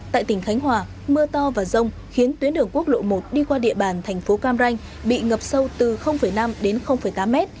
tại tỉnh khánh hòa mưa to và rông khiến tuyến đường quốc lộ một đi qua địa bàn thành phố cam ranh bị ngập sâu từ năm đến tám mét